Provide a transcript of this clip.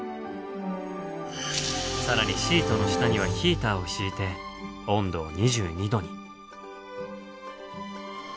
更にシートの下にはヒーターを敷いて温度を２２度に。